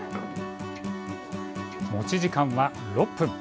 持ち時間は６分。